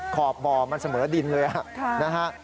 ขอบบ่อมันเสมอดินเลยนะฮะนะฮะจ้าค่ะ